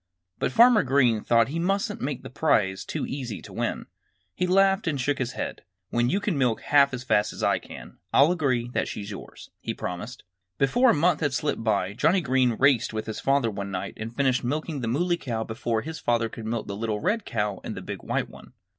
But Farmer Green thought that he mustn't make the prize too easy to win. He laughed and shook his head. "When you can milk half as fast as I can, I'll agree that she's yours," he promised. Before a month had slipped by Johnnie Green raced with his father one night and finished milking the Muley Cow before his father could milk the little red cow and the big white one.